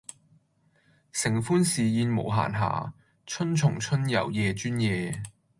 承歡侍宴無閑暇，春從春游夜專夜。